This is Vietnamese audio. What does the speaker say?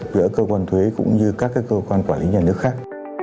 giữa cơ quan thuế cũng như các cơ quan quản lý nhà nước khác